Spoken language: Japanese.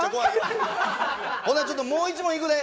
ほんならちょっともう１問いくで。